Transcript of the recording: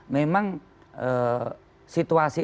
memang situasi itu tidak bisa tidak dikendalikan